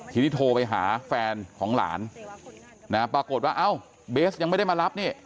ทีนี้โทรไปหาแฟนของหลานนะปรากฏว่าเอ้าเบสยังไม่ได้มารับนี่